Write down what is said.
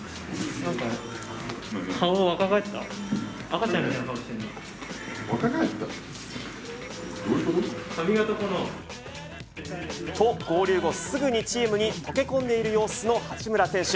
どういうこと？と、合流後、すぐにチームに溶け込んでいる様子の八村選手。